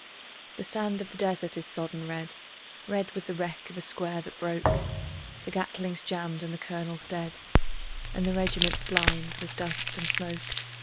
The sand of the desert is sodden red Red with the wreck of a square that broke; The Gatling's jammed and the colonel dead, And the regiment's blind with dust and smoke.